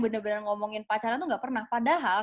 bener bener ngomongin pacaran tuh gak pernah padahal